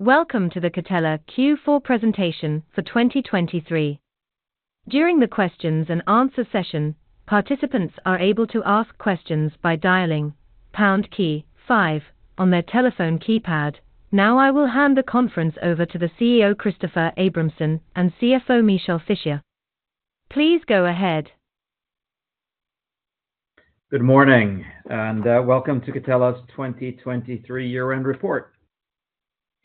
Welcome to the Catella Q4 presentation for 2023. During the questions and answers session, participants are able to ask questions by dialing pound key five on their telephone keypad. Now I will hand the conference over to the CEO Christoffer Abramson and CFO Michel Fischier. Please go ahead. Good morning and welcome to Catella's 2023 year-end report.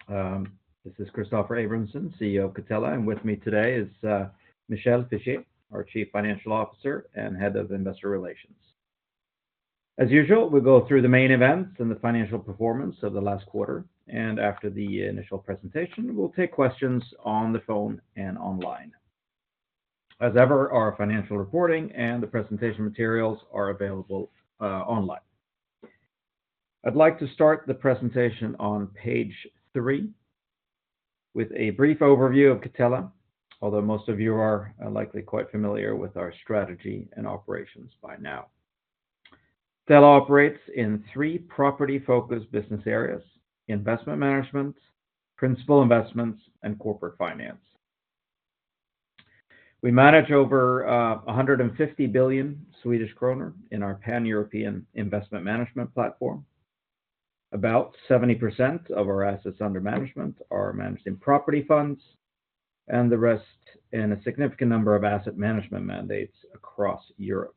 This is Christoffer Abramson, CEO of Catella, and with me today is Michel Fischier, our Chief Financial Officer and Head of Investor Relations. As usual, we'll go through the main events and the financial performance of the last quarter, and after the initial presentation we'll take questions on the phone and online. As ever, our financial reporting and the presentation materials are available online. I'd like to start the presentation on page three with a brief overview of Catella, although most of you are likely quite familiar with our strategy and operations by now. Catella operates in three property-focused business areas: Investment Management, Principal Investments, and Corporate Finance. We manage over 150 billion Swedish kronor in our pan-European Investment Management platform. About 70% of our assets under management are managed in property funds, and the rest in a significant number of asset management mandates across Europe.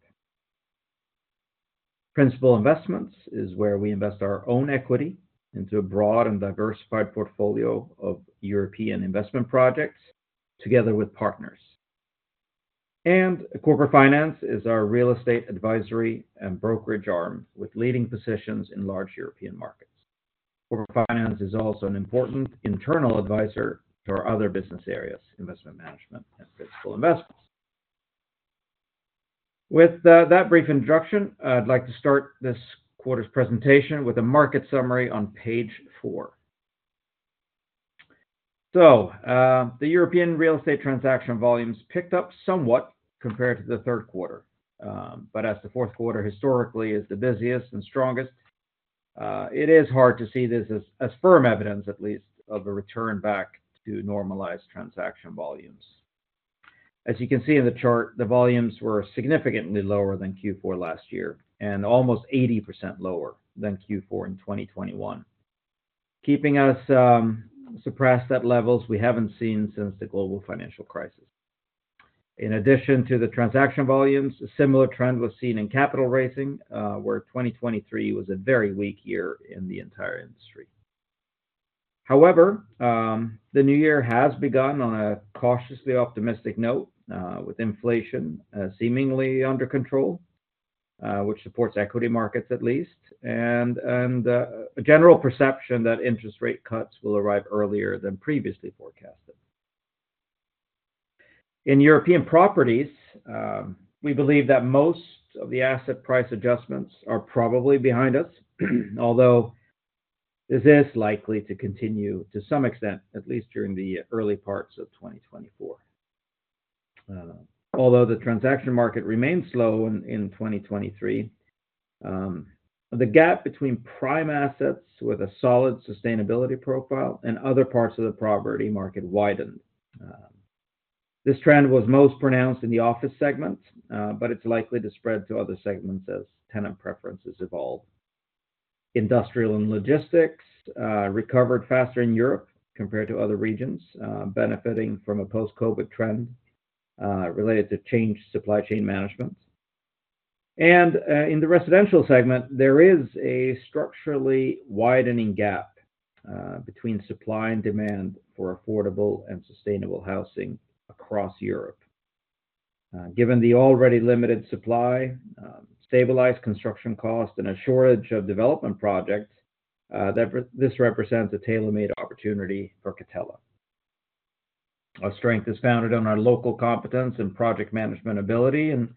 Principal Investments is where we invest our own equity into a broad and diversified portfolio of European investment projects together with partners. Corporate Finance is our real estate advisory and brokerage arm with leading positions in large European markets. Corporate Finance is also an important internal advisor to our other business areas: Investment Management and Principal Investments. With that brief introduction, I'd like to start this quarter's presentation with a market summary on page four. The European real estate transaction volumes picked up somewhat compared to the third quarter, but as the fourth quarter historically is the busiest and strongest, it is hard to see this as firm evidence, at least, of a return back to normalized transaction volumes. As you can see in the chart, the volumes were significantly lower than Q4 last year and almost 80% lower than Q4 in 2021, keeping us suppressed at levels we haven't seen since the global financial crisis. In addition to the transaction volumes, a similar trend was seen in capital raising, where 2023 was a very weak year in the entire industry. However, the new year has begun on a cautiously optimistic note, with inflation seemingly under control, which supports equity markets at least, and a general perception that interest rate cuts will arrive earlier than previously forecasted. In European properties, we believe that most of the asset price adjustments are probably behind us, although this is likely to continue to some extent, at least during the early parts of 2024. Although the transaction market remained slow in 2023, the gap between prime assets with a solid sustainability profile and other parts of the property market widened. This trend was most pronounced in the office segment, but it's likely to spread to other segments as tenant preferences evolve. Industrial and logistics recovered faster in Europe compared to other regions, benefiting from a post-COVID trend related to changed supply chain management. And in the residential segment, there is a structurally widening gap between supply and demand for affordable and sustainable housing across Europe. Given the already limited supply, stabilized construction costs, and a shortage of development projects, this represents a tailor-made opportunity for Catella. Our strength is founded on our local competence and project management ability, and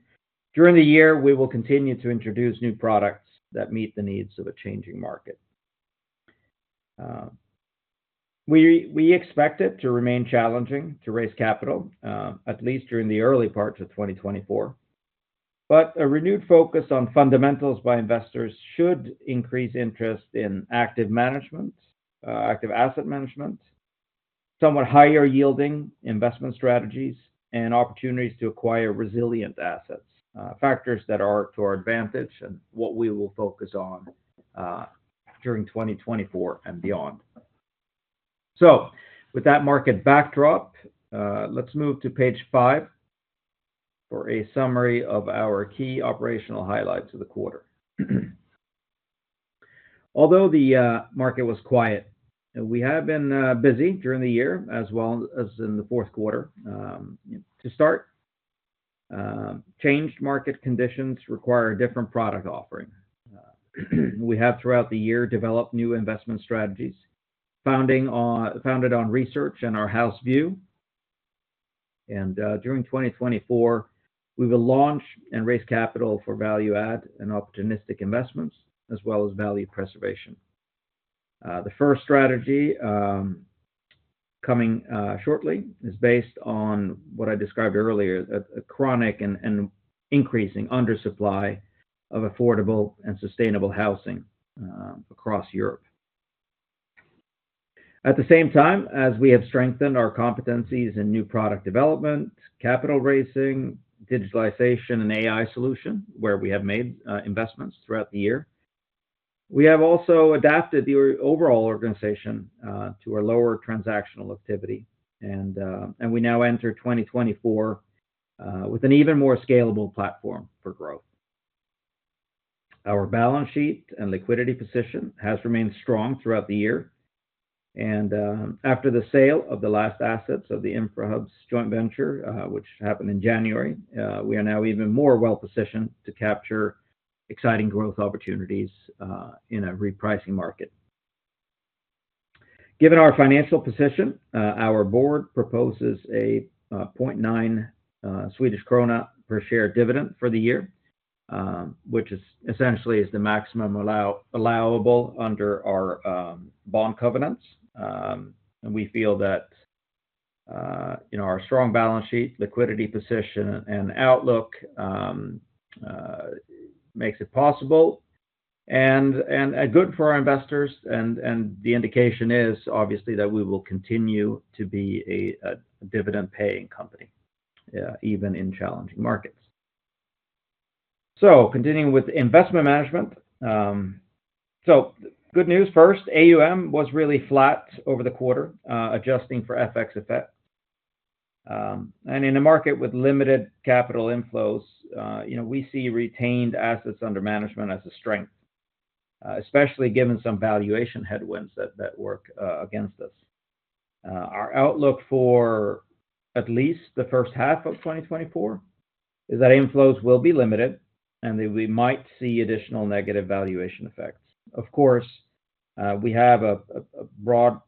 during the year we will continue to introduce new products that meet the needs of a changing market. We expect it to remain challenging to raise capital, at least during the early parts of 2024, but a renewed focus on fundamentals by investors should increase interest in active management, active asset management, somewhat higher yielding investment strategies, and opportunities to acquire resilient assets, factors that are to our advantage and what we will focus on during 2024 and beyond. So with that market backdrop, let's move to page five for a summary of our key operational highlights of the quarter. Although the market was quiet, we have been busy during the year as well as in the fourth quarter. To start, changed market conditions require a different product offering. We have throughout the year developed new investment strategies founded on research and our house view. During 2024, we will launch and raise capital for value-add and opportunistic investments as well as value preservation. The first strategy coming shortly is based on what I described earlier, a chronic and increasing undersupply of affordable and sustainable housing across Europe. At the same time as we have strengthened our competencies in new product development, capital raising, digitalization, and AI solution, where we have made investments throughout the year, we have also adapted the overall organization to our lower transactional activity, and we now enter 2024 with an even more scalable platform for growth. Our balance sheet and liquidity position has remained strong throughout the year, and after the sale of the last assets of the Infrahubs joint venture, which happened in January, we are now even more well-positioned to capture exciting growth opportunities in a repricing market. Given our financial position, our board proposes a 0.9 Swedish krona per share dividend for the year, which essentially is the maximum allowable under our bond covenants. We feel that our strong balance sheet, liquidity position, and outlook makes it possible and good for our investors. The indication is, obviously, that we will continue to be a dividend-paying company even in challenging markets. Continuing with Investment Management. Good news first, AUM was really flat over the quarter, adjusting for FX effect. In a market with limited capital inflows, we see retained assets under management as a strength, especially given some valuation headwinds that work against us. Our outlook for at least the first half of 2024 is that inflows will be limited and that we might see additional negative valuation effects. Of course, we have a broad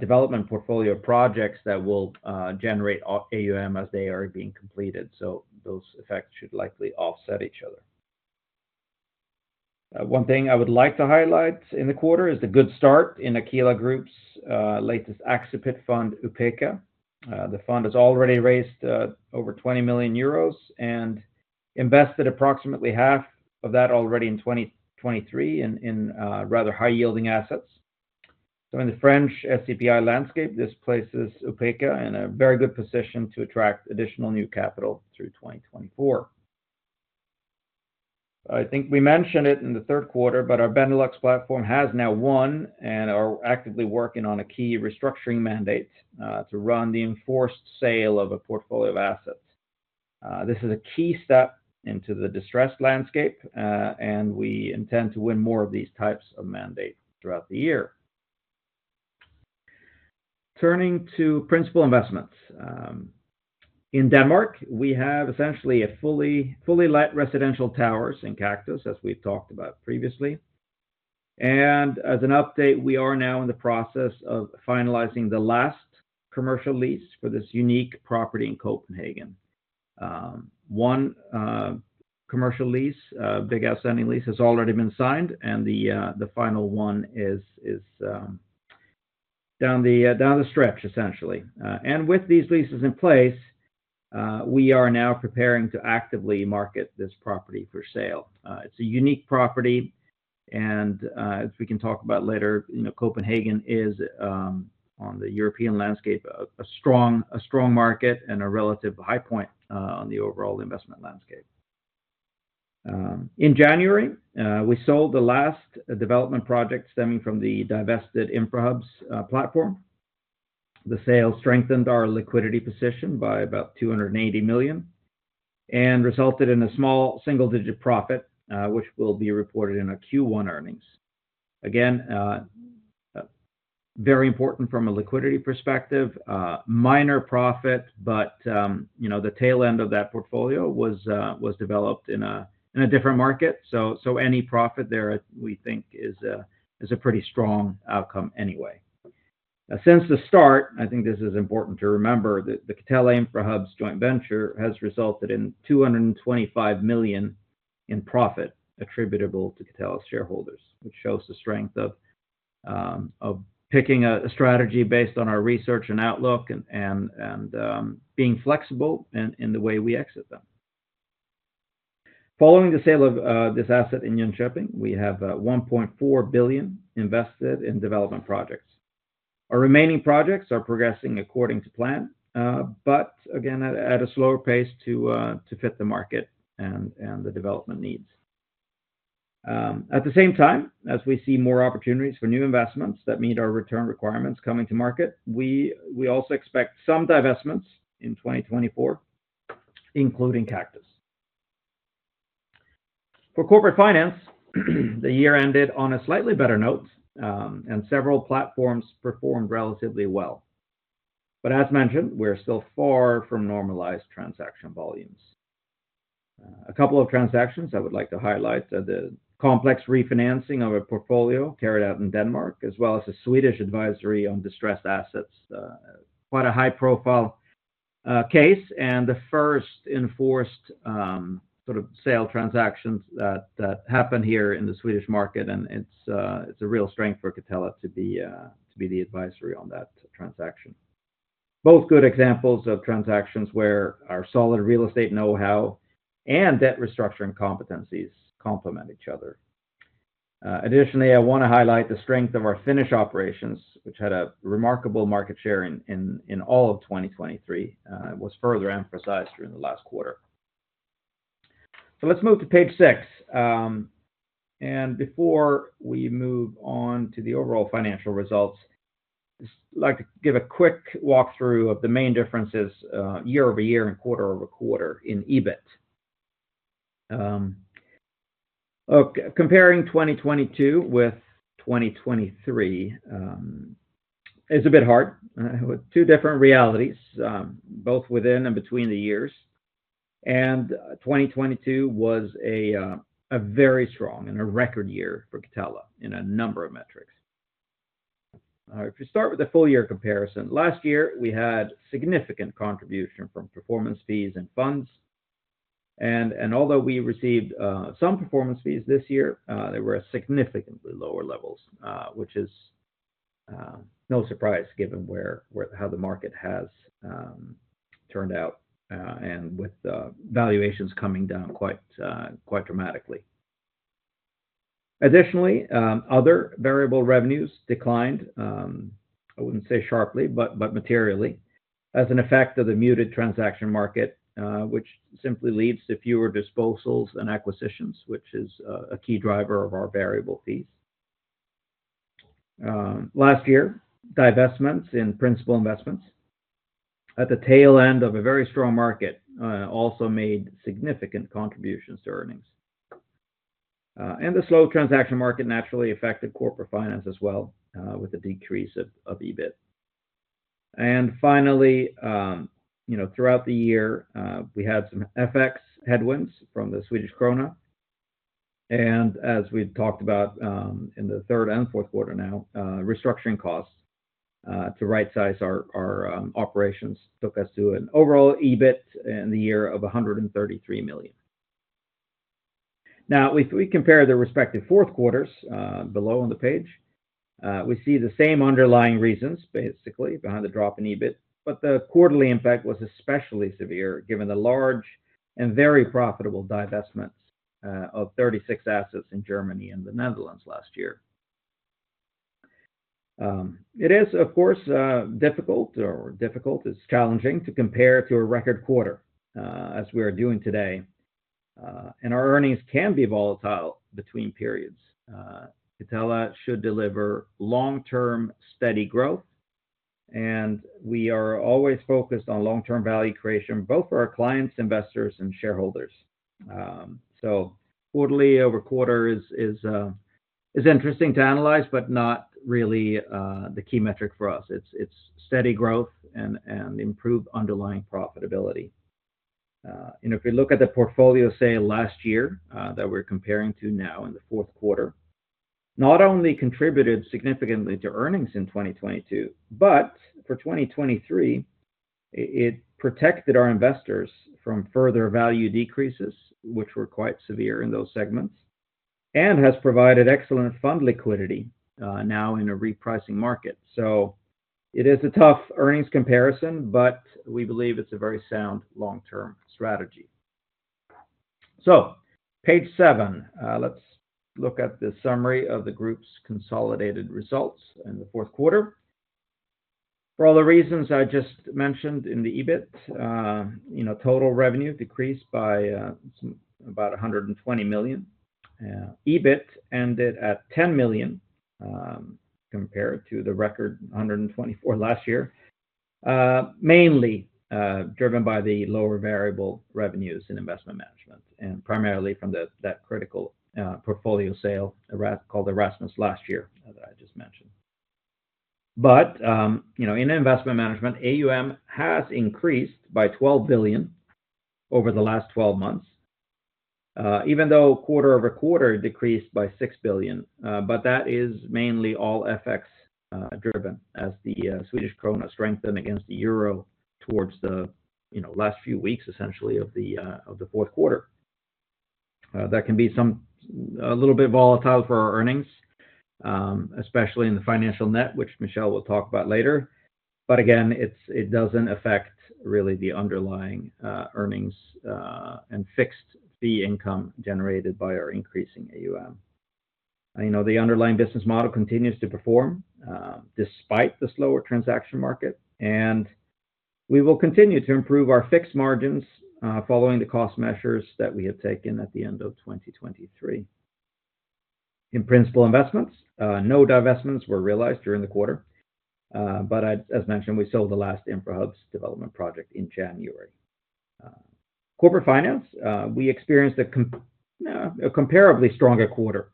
development portfolio of projects that will generate AUM as they are being completed, so those effects should likely offset each other. One thing I would like to highlight in the quarter is the good start in Aquila Group's latest Axipit fund, Upêka. The fund has already raised over 20 million euros and invested approximately EUR 10 million already in 2023 in rather high-yielding assets. So in the French SCPI landscape, this places Upêka in a very good position to attract additional new capital through 2024. I think we mentioned it in the third quarter, but our Benelux platform has now won and are actively working on a key restructuring mandate to run the enforced sale of a portfolio of assets. This is a key step into the distressed landscape, and we intend to win more of these types of mandate throughout the year. Turning to Principal Investments. In Denmark, we have essentially fully-let residential towers in Kaktus Towers, as we've talked about previously. As an update, we are now in the process of finalizing the last commercial lease for this unique property in Copenhagen. One commercial lease, a big outstanding lease, has already been signed, and the final one is down the stretch, essentially. With these leases in place, we are now preparing to actively market this property for sale. It's a unique property, and as we can talk about later, Copenhagen is, on the European landscape, a strong market and a relative high point on the overall investment landscape. In January, we sold the last development project stemming from the divested Infrahubs platform. The sale strengthened our liquidity position by about 280 million and resulted in a small single-digit profit, which will be reported in our Q1 earnings. Again, very important from a liquidity perspective, minor profit, but the tail end of that portfolio was developed in a different market. So any profit there, we think, is a pretty strong outcome anyway. Since the start, I think this is important to remember, the Catella Infrahubs joint venture has resulted in 225 million in profit attributable to Catella's shareholders, which shows the strength of picking a strategy based on our research and outlook and being flexible in the way we exit them. Following the sale of this asset in Jönköping, we have 1.4 billion invested in development projects. Our remaining projects are progressing according to plan, but again, at a slower pace to fit the market and the development needs. At the same time, as we see more opportunities for new investments that meet our return requirements coming to market, we also expect some divestments in 2024, including Kaktus Towers. For Corporate Finance, the year ended on a slightly better note, and several platforms performed relatively well. As mentioned, we're still far from normalized transaction volumes. A couple of transactions I would like to highlight: the complex refinancing of a portfolio carried out in Denmark, as well as a Swedish advisory on distressed assets. Quite a high-profile case, and the first enforced sort of sale transactions that happened here in the Swedish market, and it's a real strength for Catella to be the advisory on that transaction. Both good examples of transactions where our solid real estate know-how and debt restructuring competencies complement each other. Additionally, I want to highlight the strength of our Finnish operations, which had a remarkable market share in all of 2023. It was further emphasized during the last quarter. Let's move to page six. Before we move on to the overall financial results, I'd like to give a quick walkthrough of the main differences year-over-year and quarter-over-quarter in EBIT. Comparing 2022 with 2023 is a bit hard with two different realities, both within and between the years. 2022 was a very strong and a record year for Catella in a number of metrics. If we start with the full-year comparison, last year we had significant contribution from performance fees and funds. Although we received some performance fees this year, they were at significantly lower levels, which is no surprise given how the market has turned out and with valuations coming down quite dramatically. Additionally, other variable revenues declined. I wouldn't say sharply, but materially as an effect of the muted transaction market, which simply leads to fewer disposals and acquisitions, which is a key driver of our variable fees. Last year, divestments in Principal Investments at the tail end of a very strong market also made significant contributions to earnings. The slow transaction market naturally affected Corporate Finance as well with a decrease of EBIT. Finally, throughout the year, we had some FX headwinds from the Swedish krona. As we've talked about in the third and fourth quarter now, restructuring costs to right-size our operations took us to an overall EBIT in the year of 133 million. Now, if we compare the respective fourth quarters below on the page, we see the same underlying reasons, basically, behind the drop in EBIT. But the quarterly impact was especially severe given the large and very profitable divestments of 36 assets in Germany and the Netherlands last year. It is, of course, difficult, or challenging, to compare to a record quarter as we are doing today. Our earnings can be volatile between periods. Catella should deliver long-term steady growth, and we are always focused on long-term value creation both for our clients, investors, and shareholders. Quarterly over quarter is interesting to analyze, but not really the key metric for us. It's steady growth and improved underlying profitability. If we look at the portfolio sale last year that we're comparing to now in the fourth quarter, not only contributed significantly to earnings in 2022, but for 2023, it protected our investors from further value decreases, which were quite severe in those segments, and has provided excellent fund liquidity now in a repricing market. So it is a tough earnings comparison, but we believe it's a very sound long-term strategy. So page seven, let's look at the summary of the group's consolidated results in the fourth quarter. For all the reasons I just mentioned in the EBIT, total revenue decreased by about 120 million. EBIT ended at 10 million compared to the record 124 million last year, mainly driven by the lower variable revenues in Investment Management and primarily from that critical portfolio sale called Erasmus last year that I just mentioned. But in Investment Management, AUM has increased by 12 billion over the last 12 months, even though quarter-over-quarter decreased by 6 billion. But that is mainly all FX-driven as the Swedish krona strengthened against the euro towards the last few weeks, essentially, of the fourth quarter. That can be a little bit volatile for our earnings, especially in the financial net, which Michel will talk about later. But again, it doesn't affect really the underlying earnings and fixed fee income generated by our increasing AUM. The underlying business model continues to perform despite the slower transaction market, and we will continue to improve our fixed margins following the cost measures that we have taken at the end of 2023. In Principal Investments, no divestments were realized during the quarter. But as mentioned, we sold the last Infrahubs development project in January. Corporate Finance, we experienced a comparably stronger quarter,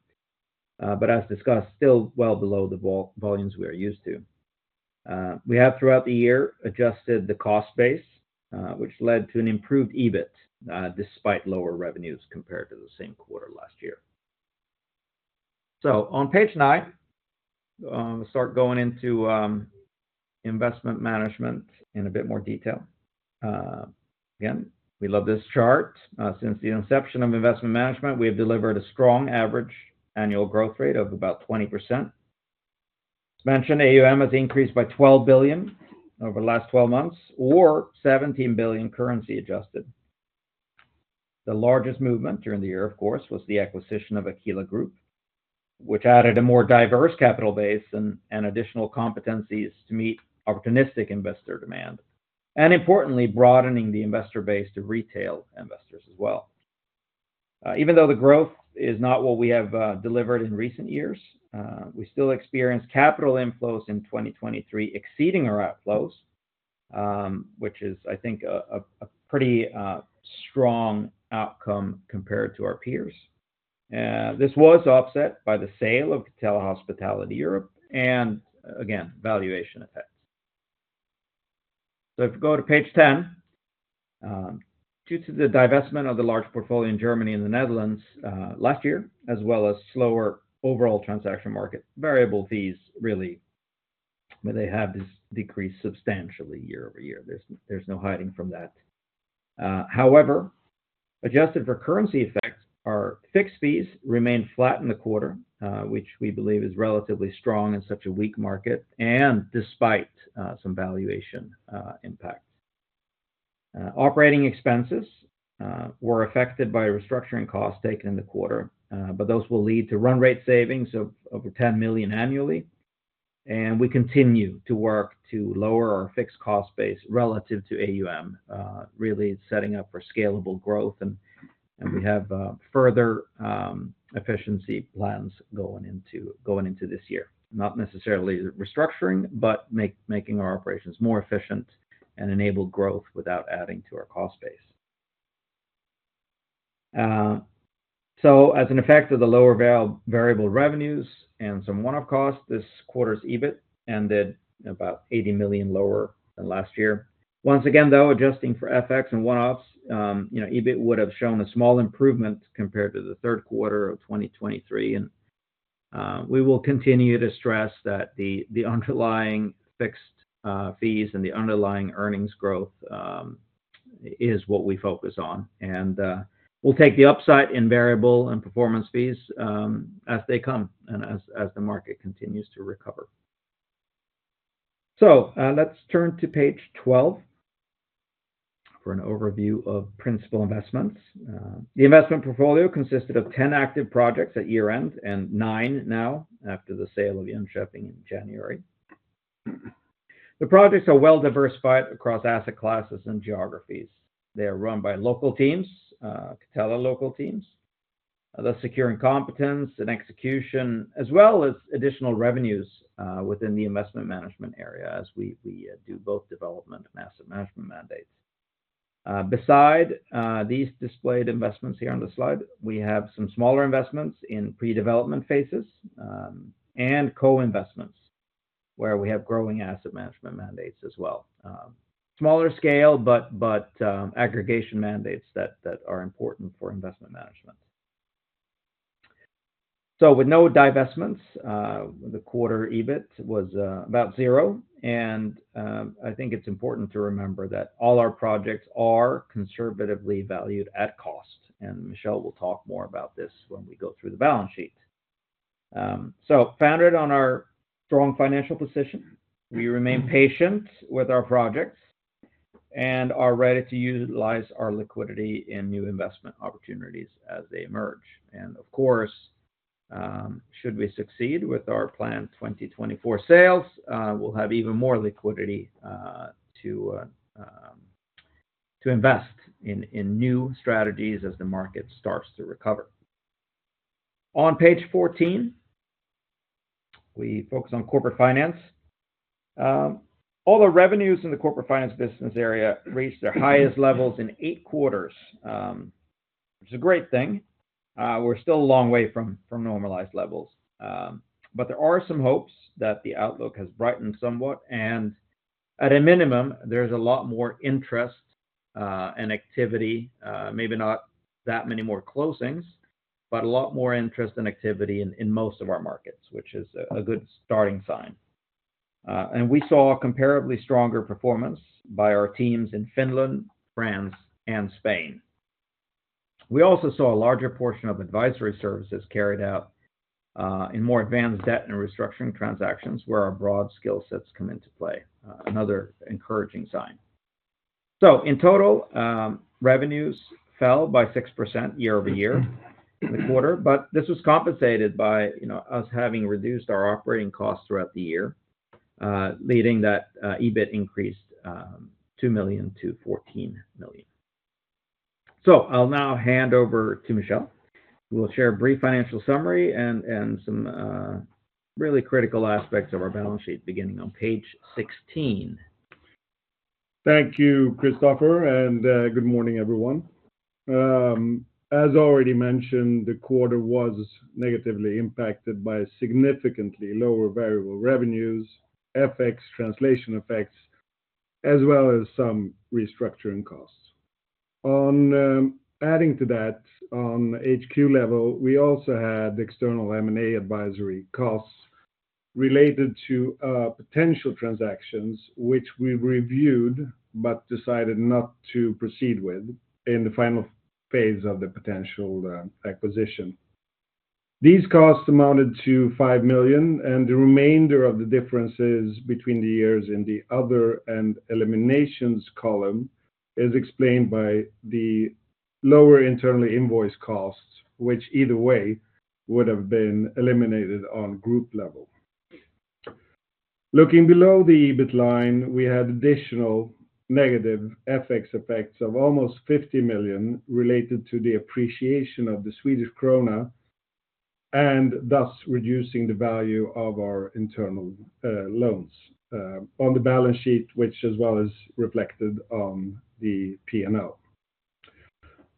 but as discussed, still well below the volumes we are used to. We have, throughout the year, adjusted the cost base, which led to an improved EBIT despite lower revenues compared to the same quarter last year. So on page nine, I'm going to start going into Investment Management in a bit more detail. Again, we love this chart. Since the inception of Investment Management, we have delivered a strong average annual growth rate of about 20%. As mentioned, AUM has increased by 12 billion over the last 12 months or 17 billion currency adjusted. The largest movement during the year, of course, was the acquisition of Aquila Group, which added a more diverse capital base and additional competencies to meet opportunistic investor demand and, importantly, broadening the investor base to retail investors as well. Even though the growth is not what we have delivered in recent years, we still experience capital inflows in 2023 exceeding our outflows, which is, I think, a pretty strong outcome compared to our peers. This was offset by the sale of Catella Hospitality Europe and, again, valuation effects. So if we go to page 10, due to the divestment of the large portfolio in Germany and the Netherlands last year, as well as slower overall transaction market, variable fees really, they have decreased substantially year-over-year. There's no hiding from that. However, adjusted for currency effects, our fixed fees remain flat in the quarter, which we believe is relatively strong in such a weak market and despite some valuation impact. Operating expenses were affected by restructuring costs taken in the quarter, but those will lead to run rate savings of over 10 million annually. We continue to work to lower our fixed cost base relative to AUM, really setting up for scalable growth. We have further efficiency plans going into this year, not necessarily restructuring, but making our operations more efficient and enable growth without adding to our cost base. So as an effect of the lower variable revenues and some one-off costs, this quarter's EBIT ended about 80 million lower than last year. Once again, though, adjusting for FX and one-offs, EBIT would have shown a small improvement compared to the third quarter of 2023. We will continue to stress that the underlying fixed fees and the underlying earnings growth is what we focus on. And we'll take the upside in variable and performance fees as they come and as the market continues to recover. So let's turn to page 12 for an overview of Principal Investments. The investment portfolio consisted of 10 active projects at year-end and nine now after the sale of Jönköping in January. The projects are well diversified across asset classes and geographies. They are run by local teams, Catella local teams, that's securing competence and execution, as well as additional revenues within the Investment Management area as we do both development and asset management mandates. Besides these displayed investments here on the slide, we have some smaller investments in pre-development phases and co-investments where we have growing asset management mandates as well. Smaller scale, but aggregation mandates that are important for Investment Management. So with no divestments, the quarter EBIT was about zero. And I think it's important to remember that all our projects are conservatively valued at cost. Michel will talk more about this when we go through the balance sheet. Founded on our strong financial position, we remain patient with our projects and are ready to utilize our liquidity in new investment opportunities as they emerge. Of course, should we succeed with our planned 2024 sales, we'll have even more liquidity to invest in new strategies as the market starts to recover. On page 14, we focus on Corporate Finance. All the revenues in the Corporate Finance business area reached their highest levels in eight quarters, which is a great thing. We're still a long way from normalized levels. But there are some hopes that the outlook has brightened somewhat. At a minimum, there's a lot more interest and activity, maybe not that many more closings, but a lot more interest and activity in most of our markets, which is a good starting sign. We saw a comparably stronger performance by our teams in Finland, France, and Spain. We also saw a larger portion of advisory services carried out in more advanced debt and restructuring transactions where our broad skill sets come into play, another encouraging sign. So in total, revenues fell by 6% year-over-year in the quarter. This was compensated by us having reduced our operating costs throughout the year, leading that EBIT increased 2 million to 14 million. So I'll now hand over to Michel. We'll share a brief financial summary and some really critical aspects of our balance sheet beginning on page 16. Thank you, Christoffer. Good morning, everyone. As already mentioned, the quarter was negatively impacted by significantly lower variable revenues, FX translation effects, as well as some restructuring costs. Adding to that, on HQ level, we also had external M&A advisory costs related to potential transactions, which we reviewed but decided not to proceed with in the final phase of the potential acquisition. These costs amounted to 5 million. The remainder of the differences between the years in the other and eliminations column is explained by the lower internally invoiced costs, which either way would have been eliminated on group level. Looking below the EBIT line, we had additional negative FX effects of almost 50 million related to the appreciation of the Swedish krona and thus reducing the value of our internal loans on the balance sheet, which as well is reflected on the P&L.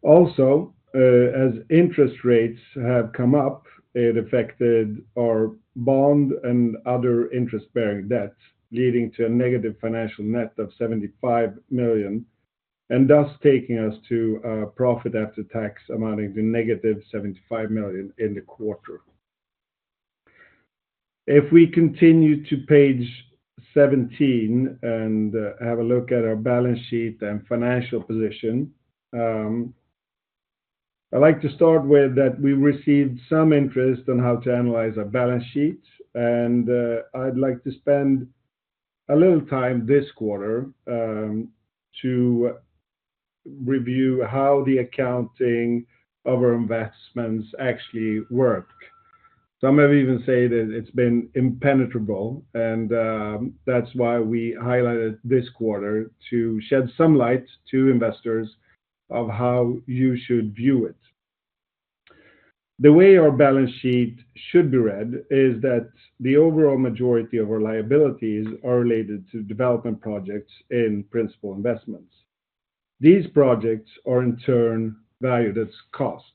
Also, as interest rates have come up, it affected our bond and other interest-bearing debt, leading to a negative financial net of 75 million and thus taking us to a profit after tax amounting to negative 75 million in the quarter. If we continue to page 17 and have a look at our balance sheet and financial position, I'd like to start with that we received some interest on how to analyze our balance sheet. And I'd like to spend a little time this quarter to review how the accounting of our investments actually work. Some have even said that it's been impenetrable. And that's why we highlighted this quarter to shed some light to investors of how you should view it. The way our balance sheet should be read is that the overall majority of our liabilities are related to development projects in Principal Investments. These projects are, in turn, valued at cost.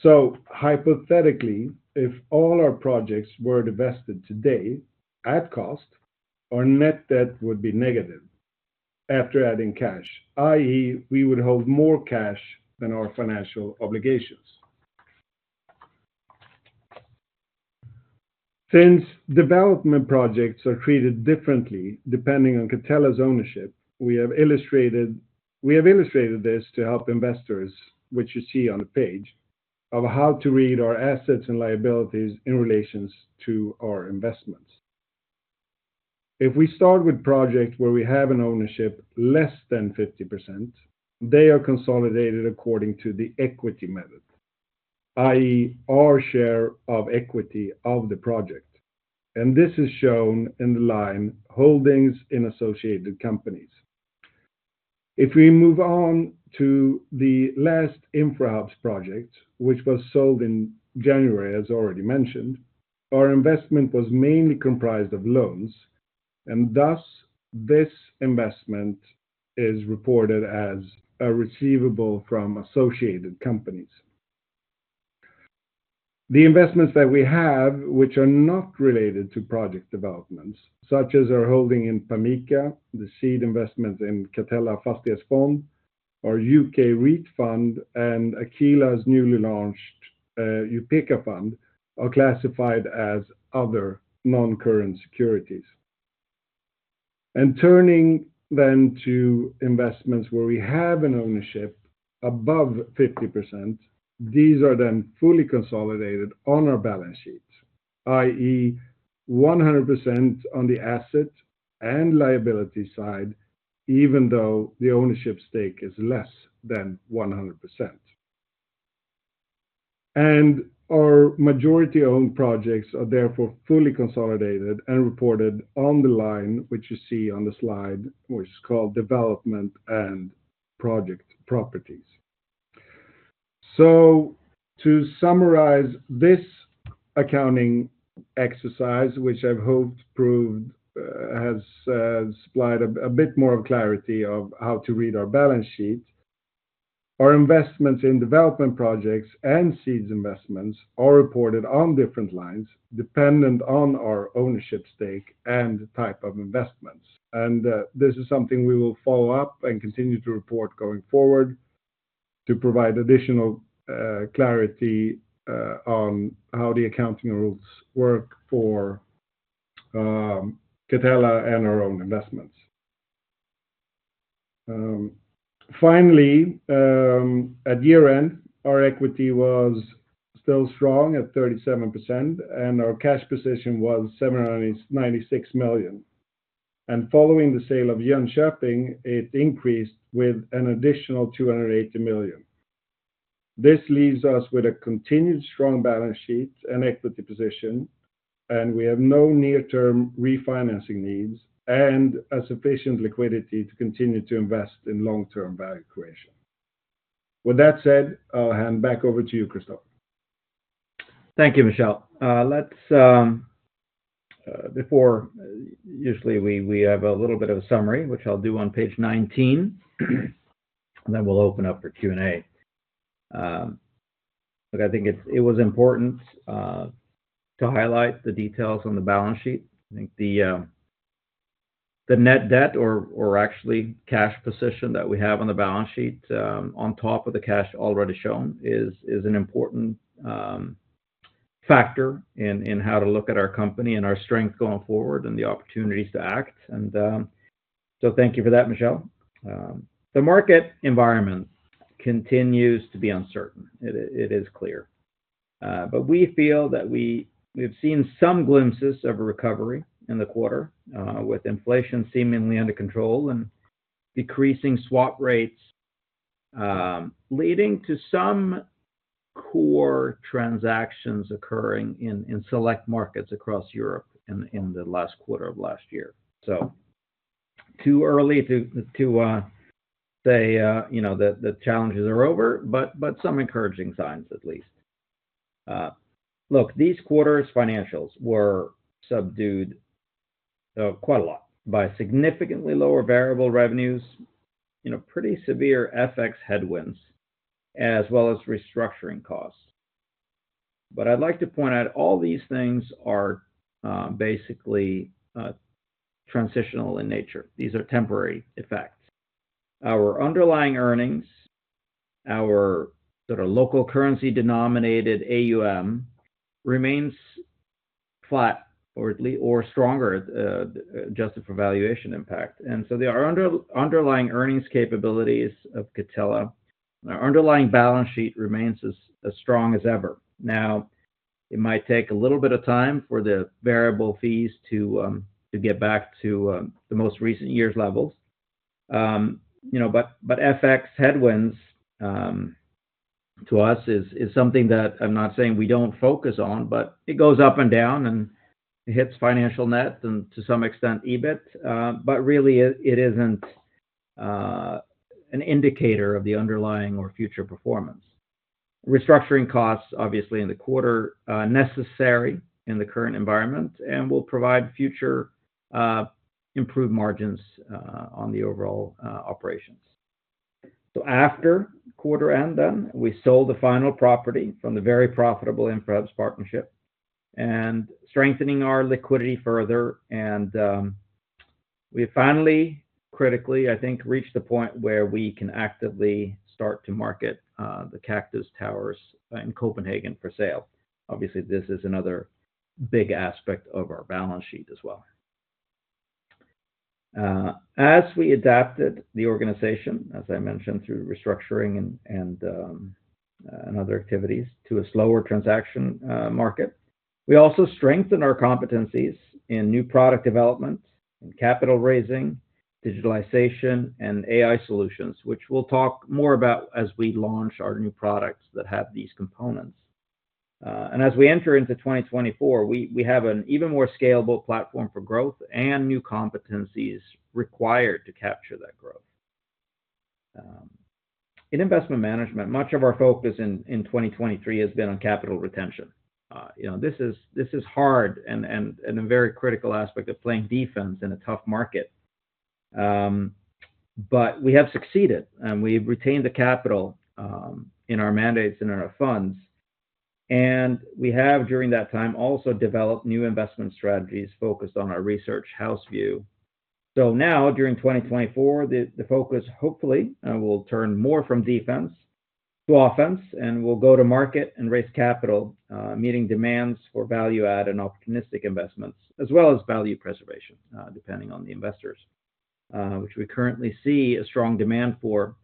So hypothetically, if all our projects were divested today at cost, our net debt would be negative after adding cash, i.e., we would hold more cash than our financial obligations. Since development projects are treated differently depending on Catella's ownership, we have illustrated this to help investors, which you see on the page, of how to read our assets and liabilities in relation to our investments. If we start with a project where we have an ownership less than 50%, they are consolidated according to the equity method, i.e., our share of equity of the project. This is shown in the line holdings in associated companies. If we move on to the last Infrahubs project, which was sold in January, as already mentioned, our investment was mainly comprised of loans. Thus, this investment is reported as a receivable from associated companies. The investments that we have, which are not related to project developments, such as our holding in Pamica, the seed investments in Catella Fastighetsfond, our UK REIT fund, and Aquila's newly launched Upêka fund, are classified as other non-current securities. Turning then to investments where we have an ownership above 50%, these are then fully consolidated on our balance sheets, i.e., 100% on the asset and liability side, even though the ownership stake is less than 100%. Our majority-owned projects are therefore fully consolidated and reported on the line, which you see on the slide, which is called development and project properties. So to summarize this accounting exercise, which I've hoped proved has supplied a bit more of clarity of how to read our balance sheet, our investments in development projects and seeds investments are reported on different lines dependent on our ownership stake and type of investments. This is something we will follow up and continue to report going forward to provide additional clarity on how the accounting rules work for Catella and our own investments. Finally, at year-end, our equity was still strong at 37%, and our cash position was 796 million. Following the sale of Jönköping, it increased with an additional 280 million. This leaves us with a continued strong balance sheet and equity position. We have no near-term refinancing needs and a sufficient liquidity to continue to invest in long-term value creation. With that said, I'll hand back over to you, Christoffer. Thank you, Michel. Before usually, we have a little bit of a summary, which I'll do on page 19. Then we'll open up for Q&A. Look, I think it was important to highlight the details on the balance sheet. I think the net debt or actually cash position that we have on the balance sheet on top of the cash already shown is an important factor in how to look at our company and our strength going forward and the opportunities to act. And so thank you for that, Michel. The market environment continues to be uncertain. It is clear. But we feel that we've seen some glimpses of a recovery in the quarter with inflation seemingly under control and decreasing swap rates leading to some core transactions occurring in select markets across Europe in the last quarter of last year. So too early to say that the challenges are over, but some encouraging signs at least. Look, these quarters' financials were subdued quite a lot by significantly lower variable revenues, pretty severe FX headwinds, as well as restructuring costs. But I'd like to point out all these things are basically transitional in nature. These are temporary effects. Our underlying earnings, our sort of local currency-denominated AUM, remains flat or stronger, adjusted for valuation impact. And so the underlying earnings capabilities of Catella, our underlying balance sheet remains as strong as ever. Now, it might take a little bit of time for the variable fees to get back to the most recent year's levels. But FX headwinds to us is something that I'm not saying we don't focus on, but it goes up and down and hits financial net and to some extent EBIT. But really, it isn't an indicator of the underlying or future performance. Restructuring costs, obviously in the quarter, are necessary in the current environment and will provide future improved margins on the overall operations. So after quarter end then, we sold the final property from the very profitable Infrahubs partnership and strengthening our liquidity further. And we have finally, critically, I think, reached the point where we can actively start to market the Kaktus Towers in Copenhagen for sale. Obviously, this is another big aspect of our balance sheet as well. As we adapted the organization, as I mentioned, through restructuring and other activities to a slower transaction market, we also strengthened our competencies in new product development, in capital raising, digitalization, and AI solutions, which we'll talk more about as we launch our new products that have these components. As we enter into 2024, we have an even more scalable platform for growth and new competencies required to capture that growth. In Investment Management, much of our focus in 2023 has been on capital retention. This is hard and a very critical aspect of playing defense in a tough market. We have succeeded. We have retained the capital in our mandates and in our funds. We, during that time, also developed new investment strategies focused on our research house view. Now, during 2024, the focus hopefully will turn more from defense to offense. We'll go to market and raise capital, meeting demands for value-add and opportunistic investments, as well as value preservation depending on the investors, which we currently see a strong demand for.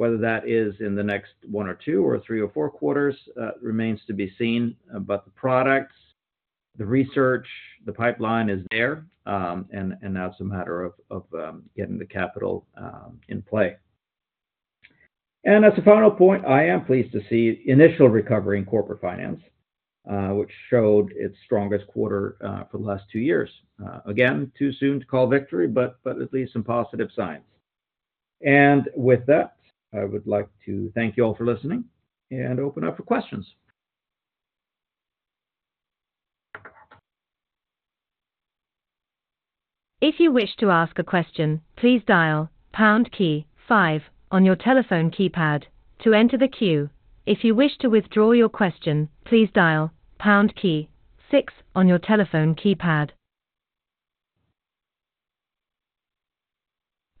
Whether that is in the next one or two or three or four quarters remains to be seen. The products, the research, the pipeline is there. Now it's a matter of getting the capital in play. As a final point, I am pleased to see initial recovery in Corporate Finance, which showed its strongest quarter for the last two years. Again, too soon to call victory, but at least some positive signs. With that, I would like to thank you all for listening and open up for questions. If you wish to ask a question, please dial pound key five on your telephone keypad to enter the queue. If you wish to withdraw your question, please dial pound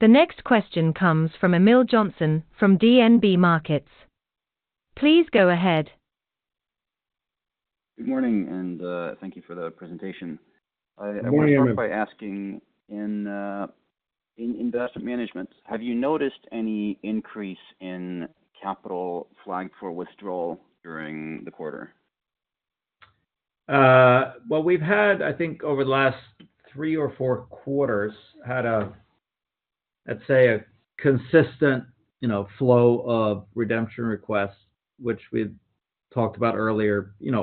key six on your telephone keypad. The next question comes from Emil Jonsson from DNB Markets. Please go ahead. Good morning. Thank you for the presentation. I want to start by asking, in Investment Management, have you noticed any increase in capital flagged for withdrawal during the quarter? Well, we've had, I think, over the last three or four quarters, let's say, a consistent flow of redemption requests, which we've talked about earlier, in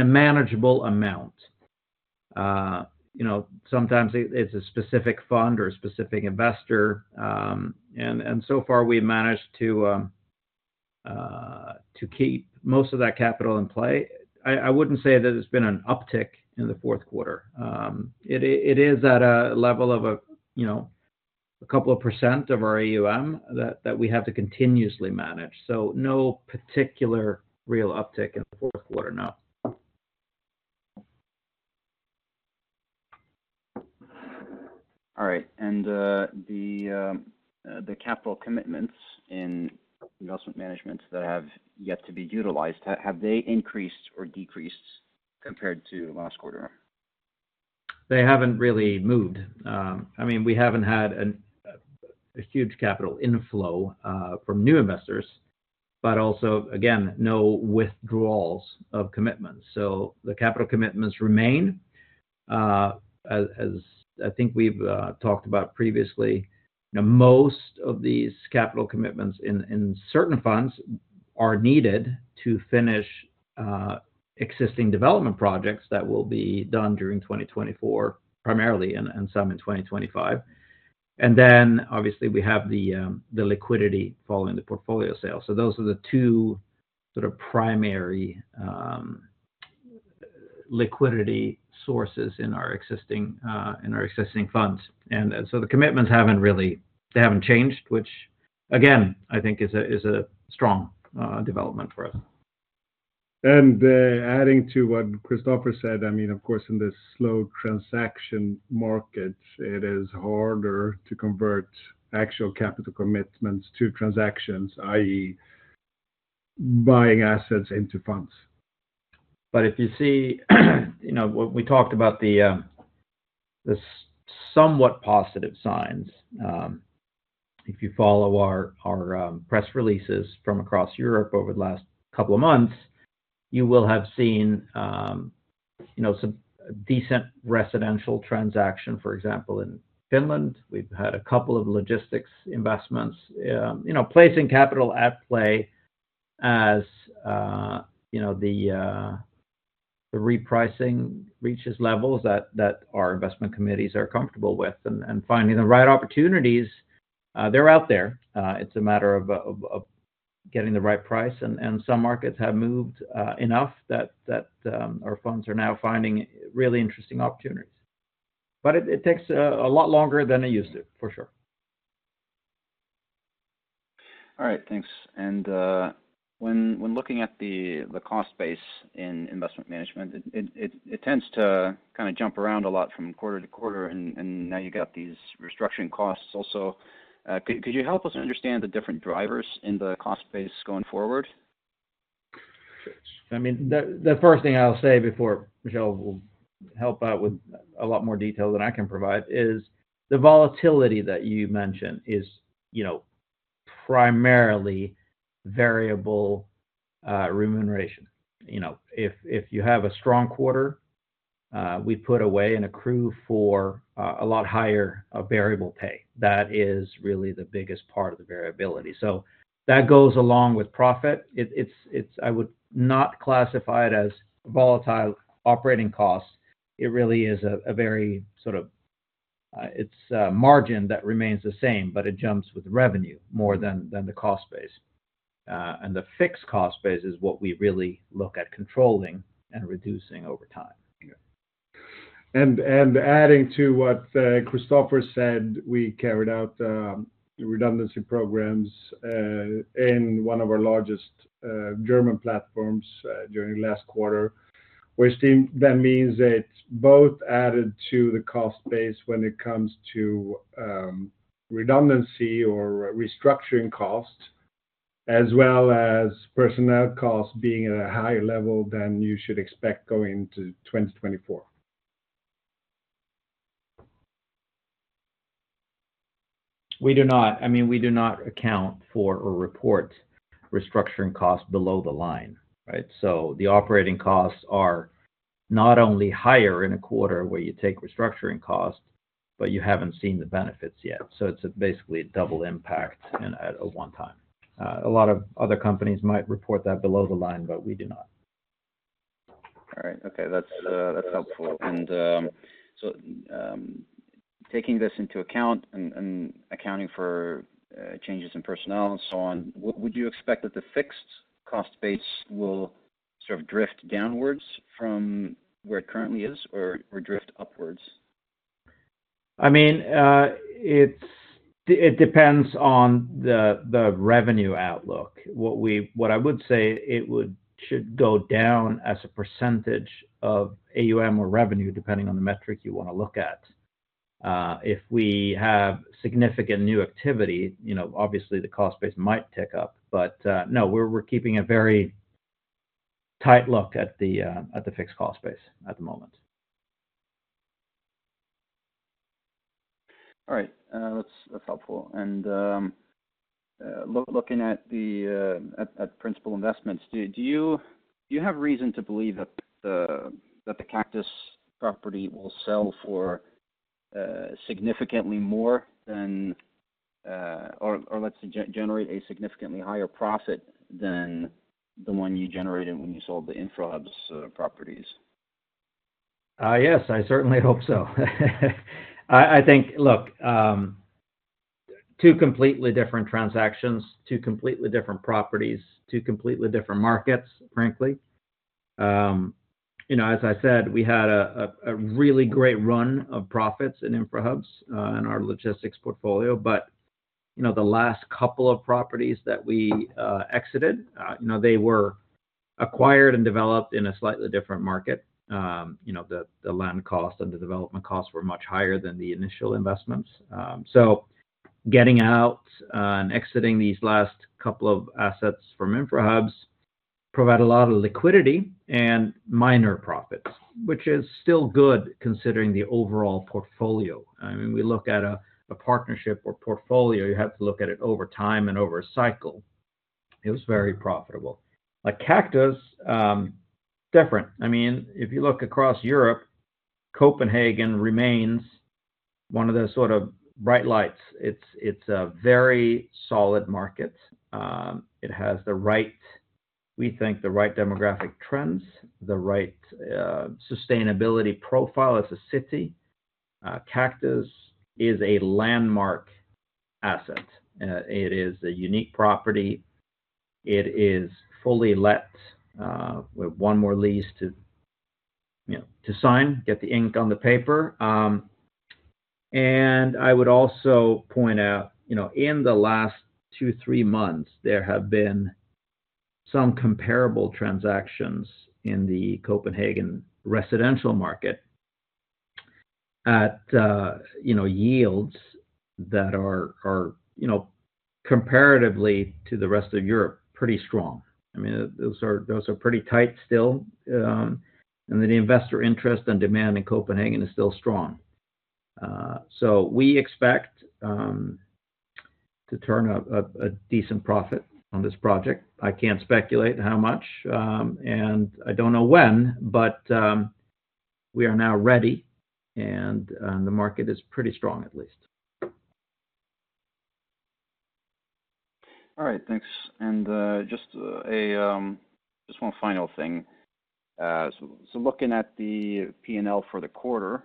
a manageable amount. Sometimes it's a specific fund or a specific investor. And so far, we've managed to keep most of that capital in play. I wouldn't say that there's been an uptick in the fourth quarter. It is at a level of a couple of % of our AUM that we have to continuously manage. So no particular real uptick in the fourth quarter, no. All right. The capital commitments in investment management that have yet to be utilized, have they increased or decreased compared to last quarter? They haven't really moved. I mean, we haven't had a huge capital inflow from new investors. But also, again, no withdrawals of commitments. So the capital commitments remain, as I think we've talked about previously. Most of these capital commitments in certain funds are needed to finish existing development projects that will be done during 2024, primarily, and some in 2025. And then, obviously, we have the liquidity following the portfolio sale. So those are the two sort of primary liquidity sources in our existing funds. And so the commitments haven't really changed, which, again, I think is a strong development for us. Adding to what Christoffer said, I mean, of course, in this slow transaction market, it is harder to convert actual capital commitments to transactions, i.e., buying assets into funds. But if you see we talked about the somewhat positive signs. If you follow our press releases from across Europe over the last couple of months, you will have seen some decent residential transaction, for example, in Finland. We've had a couple of logistics investments, placing capital at play as the repricing reaches levels that our investment committees are comfortable with. And finding the right opportunities, they're out there. It's a matter of getting the right price. And some markets have moved enough that our funds are now finding really interesting opportunities. But it takes a lot longer than it used to, for sure. All right. Thanks. When looking at the cost base in Investment Management, it tends to kind of jump around a lot from quarter to quarter. Now you've got these restructuring costs also. Could you help us understand the different drivers in the cost base going forward? I mean, the first thing I'll say before Michel will help out with a lot more detail than I can provide is the volatility that you mentioned is primarily variable remuneration. If you have a strong quarter, we put away and accrue for a lot higher variable pay. That is really the biggest part of the variability. So that goes along with profit. I would not classify it as volatile operating costs. It really is a very sort of it's a margin that remains the same, but it jumps with revenue more than the cost base. The fixed cost base is what we really look at controlling and reducing over time. Adding to what Christoffer said, we carried out redundancy programs in one of our largest German platforms during the last quarter, which then means it both added to the cost base when it comes to redundancy or restructuring cost, as well as personnel costs being at a higher level than you should expect going into 2024. We do not. I mean, we do not account for or report restructuring costs below the line, right? So the operating costs are not only higher in a quarter where you take restructuring cost, but you haven't seen the benefits yet. So it's basically a double impact at one time. A lot of other companies might report that below the line, but we do not. All right. Okay. That's helpful. And so taking this into account and accounting for changes in personnel and so on, would you expect that the fixed cost base will sort of drift downwards from where it currently is or drift upwards? I mean, it depends on the revenue outlook. What I would say, it should go down as a percentage of AUM or revenue, depending on the metric you want to look at. If we have significant new activity, obviously, the cost base might tick up. But no, we're keeping a very tight look at the fixed cost base at the moment. All right. That's helpful. And looking at Principal Investments, do you have reason to believe that the Kaktus property will sell for significantly more than or, let's say, generate a significantly higher profit than the one you generated when you sold the Infrahubs properties? Yes. I certainly hope so. I think, look, two completely different transactions, two completely different properties, two completely different markets, frankly. As I said, we had a really great run of profits in Infrahubs in our logistics portfolio. But the last couple of properties that we exited, they were acquired and developed in a slightly different market. The land cost and the development costs were much higher than the initial investments. So getting out and exiting these last couple of assets from Infrahubs provided a lot of liquidity and minor profits, which is still good considering the overall portfolio. I mean, we look at a partnership or portfolio, you have to look at it over time and over a cycle. It was very profitable. Kaktus, different. I mean, if you look across Europe, Copenhagen remains one of those sort of bright lights. It's a very solid market. It has the right, we think, the right demographic trends, the right sustainability profile. It's a city. Kaktus is a landmark asset. It is a unique property. It is fully let. We have one more lease to sign, get the ink on the paper. And I would also point out, in the last two to three months, there have been some comparable transactions in the Copenhagen residential market at yields that are comparatively to the rest of Europe pretty strong. I mean, those are pretty tight still. And the investor interest and demand in Copenhagen is still strong. So we expect to turn a decent profit on this project. I can't speculate how much. And I don't know when. But we are now ready. And the market is pretty strong, at least. All right. Thanks. And just one final thing. So looking at the P&L for the quarter,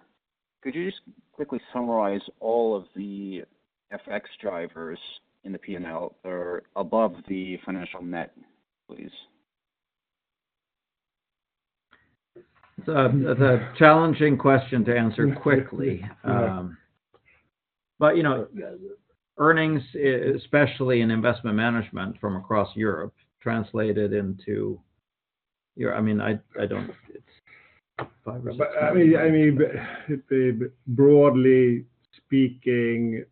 could you just quickly summarize all of the FX drivers in the P&L that are above the financial net, please? It's a challenging question to answer quickly. But earnings, especially in Investment Management from across Europe, translated into. I mean, I don't. It's five or six. I mean, broadly speaking,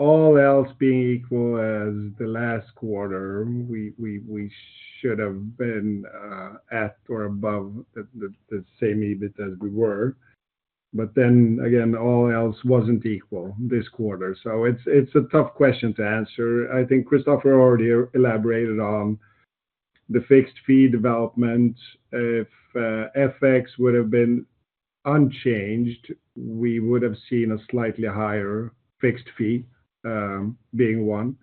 all else being equal as the last quarter, we should have been at or above the same EBIT as we were. But then, again, all else wasn't equal this quarter. So it's a tough question to answer. I think Christoffer already elaborated on the fixed fee development. If FX would have been unchanged, we would have seen a slightly higher fixed fee being one.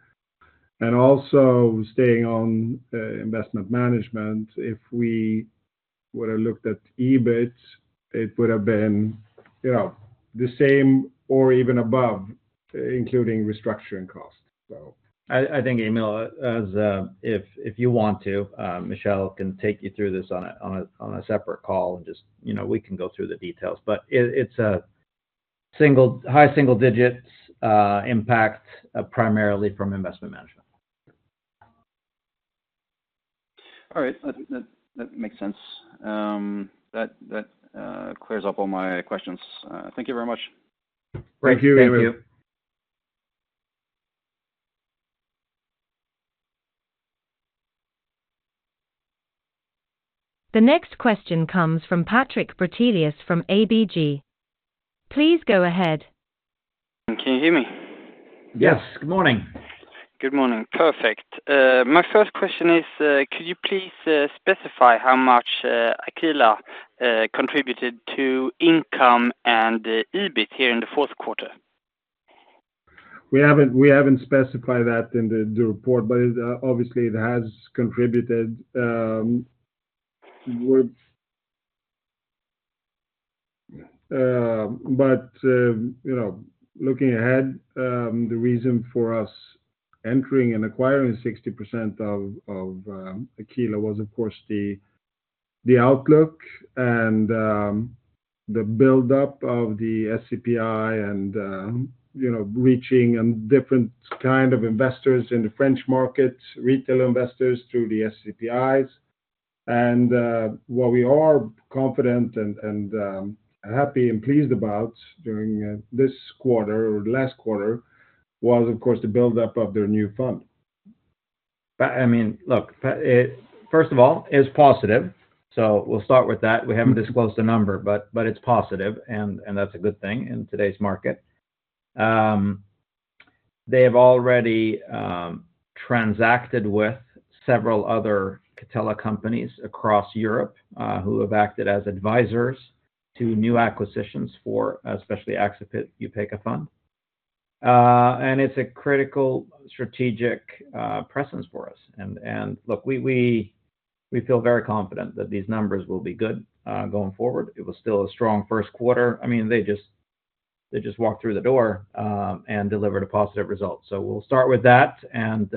And also, staying on Investment Management, if we would have looked at EBIT, it would have been the same or even above, including restructuring cost, so. I think, Emil, if you want to, Michel can take you through this on a separate call. And just we can go through the details. But it's a high single-digit impact, primarily from Investment Management. All right. That makes sense. That clears up all my questions. Thank you very much. Thank you, Emil. Thank you. The next question comes from Patrik Brattelius from ABG. Please go ahead. Can you hear me? Yes. Good morning. Good morning. Perfect. My first question is, could you please specify how much Aquila contributed to income and EBIT here in the fourth quarter? We haven't specified that in the report. But obviously, it has contributed. But looking ahead, the reason for us entering and acquiring 60% of Aquila was, of course, the outlook and the buildup of the SCPI and reaching a different kind of investors in the French market, retail investors through the SCPIs. And what we are confident and happy and pleased about during this quarter or the last quarter was, of course, the buildup of their new fund. I mean, look, first of all, it's positive. So we'll start with that. We haven't disclosed a number. But it's positive. And that's a good thing in today's market. They have already transacted with several other Catella companies across Europe who have acted as advisors to new acquisitions for especially Axipit Upêka fund. And it's a critical strategic presence for us. And look, we feel very confident that these numbers will be good going forward. It was still a strong first quarter. I mean, they just walked through the door and delivered a positive result. So we'll start with that and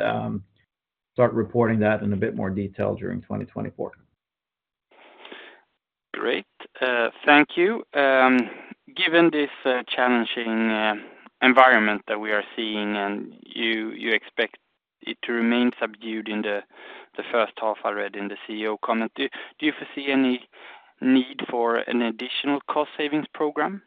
start reporting that in a bit more detail during 2024. Great. Thank you. Given this challenging environment that we are seeing and you expect it to remain subdued in the first half already in the CEO comment, do you foresee any need for an additional cost-savings program?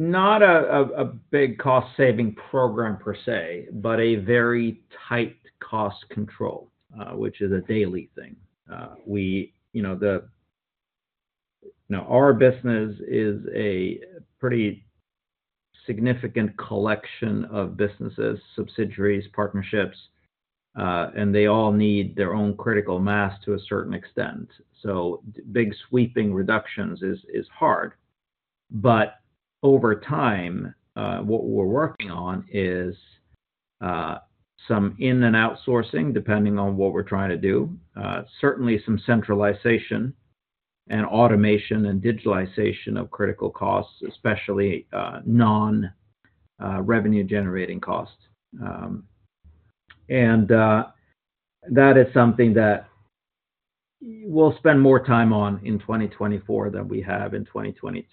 Not a big cost-saving program per se, but a very tight cost control, which is a daily thing. Our business is a pretty significant collection of businesses, subsidiaries, partnerships. And they all need their own critical mass to a certain extent. So big sweeping reductions is hard. But over time, what we're working on is some in-and-outsourcing, depending on what we're trying to do, certainly some centralization and automation and digitalization of critical costs, especially non-revenue-generating costs. And that is something that we'll spend more time on in 2024 than we have in 2023.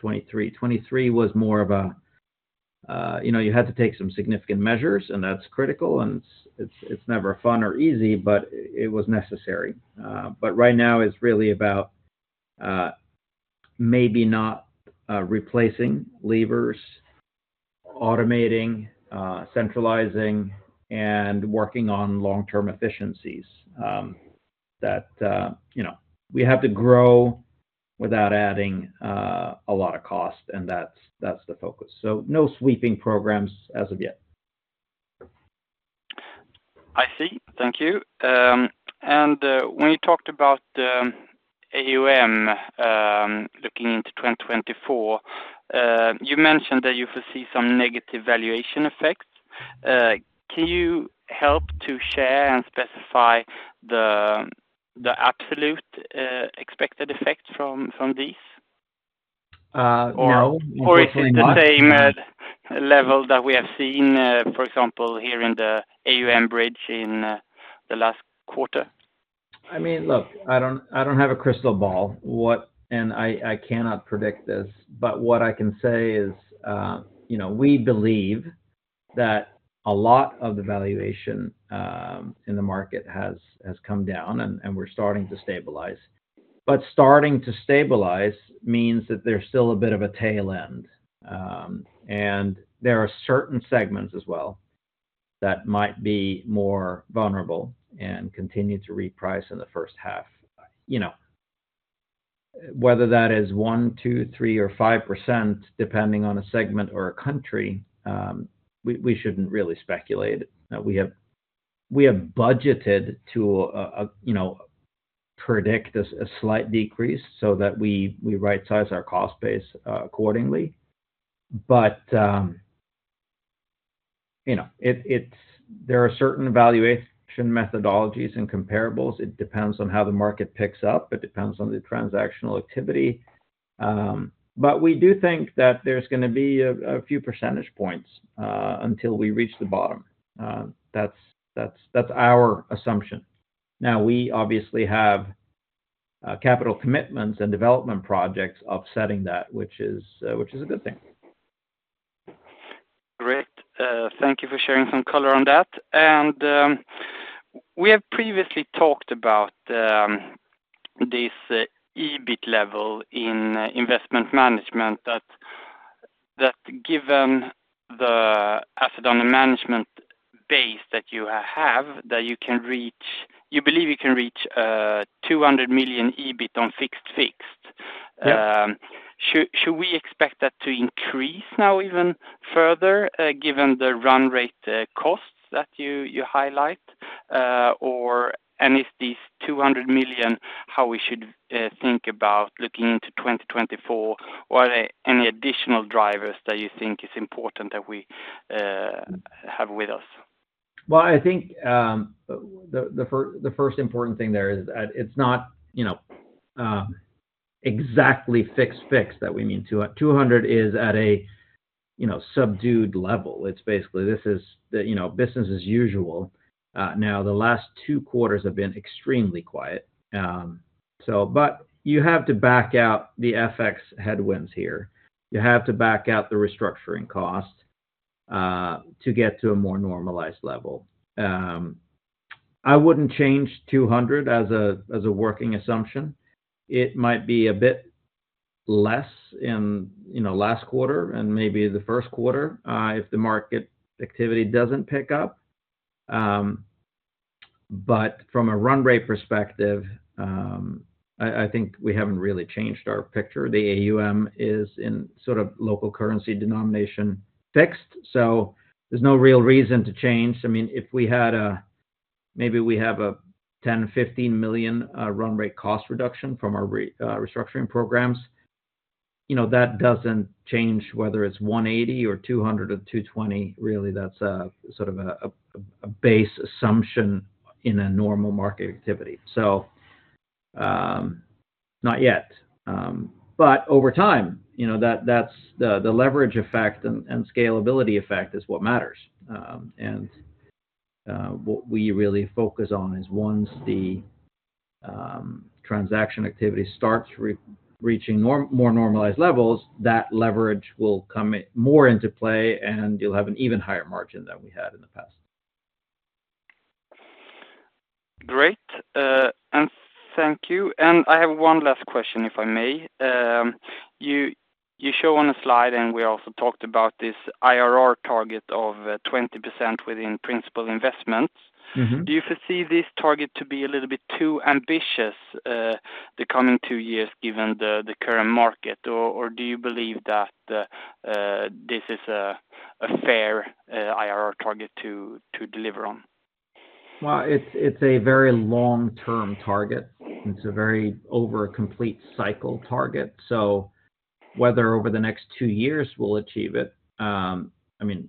2023 was more of a you had to take some significant measures. And that's critical. And it's never fun or easy. But it was necessary. But right now, it's really about maybe not replacing levers, automating, centralizing, and working on long-term efficiencies. We have to grow without adding a lot of cost. And that's the focus. No sweeping programs as of yet. I see. Thank you. When you talked about AUM looking into 2024, you mentioned that you foresee some negative valuation effects. Can you help to share and specify the absolute expected effect from these? Or is it the same level that we have seen, for example, here in the AUM bridge in the last quarter? I mean, look, I don't have a crystal ball. I cannot predict this. But what I can say is, we believe that a lot of the valuation in the market has come down. We're starting to stabilize. But starting to stabilize means that there's still a bit of a tail end. There are certain segments as well that might be more vulnerable and continue to reprice in the first half. Whether that is 1, 2, 3, or 5%, depending on a segment or a country, we shouldn't really speculate. We have budgeted to predict a slight decrease so that we right-size our cost base accordingly. But there are certain valuation methodologies and comparables. It depends on how the market picks up. It depends on the transactional activity. But we do think that there's going to be a few percentage points until we reach the bottom. That's our assumption. Now, we obviously have capital commitments and development projects offsetting that, which is a good thing. Great. Thank you for sharing some color on that. And we have previously talked about this EBIT level in Investment Management that, given the asset under management base that you have, that you can reach you believe you can reach 200 million EBIT on fixed fees. Should we expect that to increase now even further, given the run-rate costs that you highlight? And is these 200 million how we should think about looking into 2024? Or are there any additional drivers that you think is important that we have with us? Well, I think the first important thing there is that it's not exactly fixed that we mean. 200 is at a subdued level. It's basically, this is business as usual. Now, the last two quarters have been extremely quiet. But you have to back out the FX headwinds here. You have to back out the restructuring cost to get to a more normalized level. I wouldn't change 200 as a working assumption. It might be a bit less in last quarter and maybe the first quarter if the market activity doesn't pick up. But from a run-rate perspective, I think we haven't really changed our picture. The AUM is in sort of local currency denomination fixed. So there's no real reason to change. I mean, if we had a maybe we have a 10-15 million run-rate cost reduction from our restructuring programs. That doesn't change whether it's 180 or 200 or 220. Really, that's sort of a base assumption in a normal market activity. So not yet. But over time, the leverage effect and scalability effect is what matters. And what we really focus on is, once the transaction activity starts reaching more normalized levels, that leverage will come more into play. And you'll have an even higher margin than we had in the past. Great. Thank you. I have one last question, if I may. You show on a slide, and we also talked about this IRR target of 20% within Principal Investments. Do you foresee this target to be a little bit too ambitious the coming two years, given the current market? Or do you believe that this is a fair IRR target to deliver on? Well, it's a very long-term target. It's a very over a complete cycle target. So whether over the next two years we'll achieve it I mean,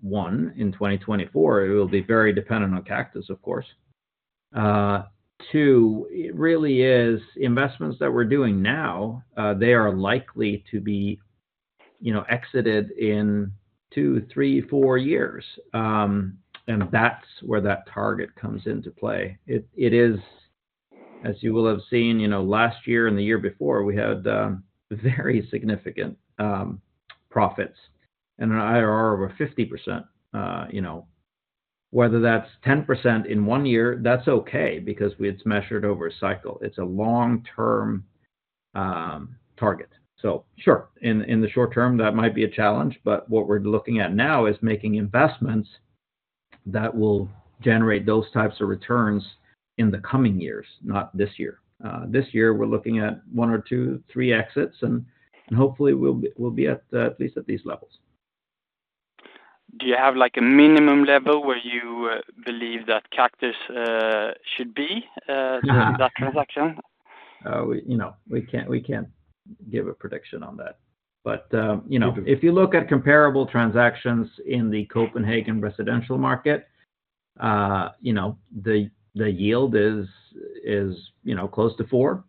one, in 2024, it will be very dependent on Kaktus, of course. Two, it really is investments that we're doing now, they are likely to be exited in two, three, four years. And that's where that target comes into play. It is, as you will have seen last year and the year before, we had very significant profits and an IRR of 50%. Whether that's 10% in one year, that's OK because it's measured over a cycle. It's a long-term target. So sure, in the short term, that might be a challenge. But what we're looking at now is making investments that will generate those types of returns in the coming years, not this year. This year, we're looking at one or two, three exits. Hopefully, we'll be at least at these levels. Do you have a minimum level where you believe that Kaktus should be during that transaction? We can't give a prediction on that. But if you look at comparable transactions in the Copenhagen residential market, the yield is close to four,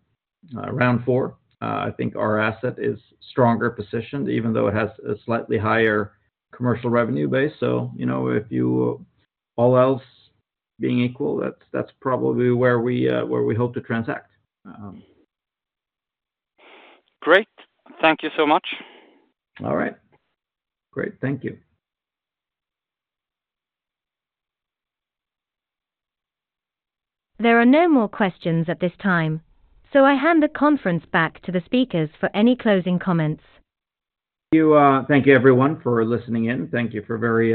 around four. I think our asset is stronger positioned, even though it has a slightly higher commercial revenue base. So if you all else being equal, that's probably where we hope to transact. Great. Thank you so much. All right. Great. Thank you. There are no more questions at this time. So I hand the conference back to the speakers for any closing comments. Thank you, everyone, for listening in. Thank you for very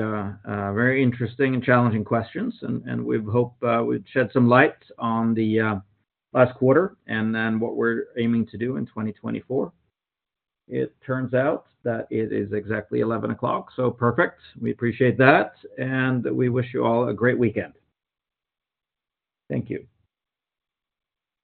interesting and challenging questions. We hope we've shed some light on the last quarter and then what we're aiming to do in 2024. It turns out that it is exactly 11:00 A.M. So perfect. We appreciate that. We wish you all a great weekend. Thank you.